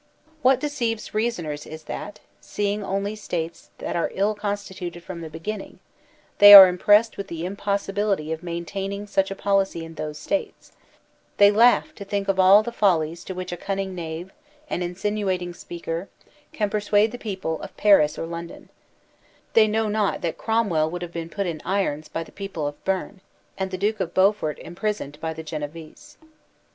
What deceives reasoners is that, seeing only States that are ill constituted from the beginning, they are impressed with the impossibility of maintaining such a *This chapter appears to belong more properly to Book IL^Sb^ (9a) THAT GENERAL WILL IS INDESTRUCTIBLE 93 policy in those States; they laugh to think of all the fol lies to which a cunning knave, an insinuating speaker, can persuade the people of Paris or London. They know not that Cromwell would have been put in irons by the people of Berne, and the Duke of Beaufort imprisoned by the Genevese.